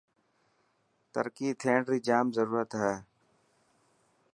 ترقي ٿيڻ ري جام ضرورت هي.